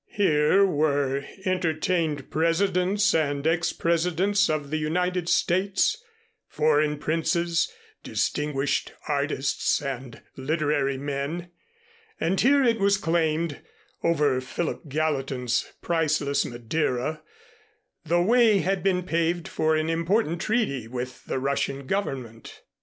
Here were entertained presidents and ex presidents of the United States, foreign princes, distinguished artists and literary men, and here it was claimed, over Philip Gallatin's priceless Madeira, the way had been paved for an important treaty with the Russian government.